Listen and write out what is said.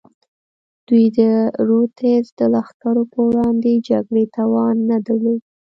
دوی د رودز د لښکرو پر وړاندې جګړې توان نه درلود.